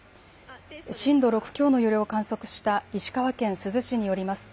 震度６強の揺れを観測した石川県珠洲市によりますと